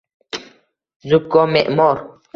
Zukko me’mor